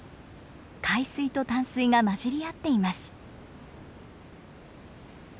海水と淡水が混じり合っています。